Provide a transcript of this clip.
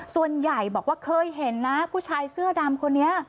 ส่วนใหญ่บอกว่าเคยเห็นนะผู้ชายเสื้อดำคนนี้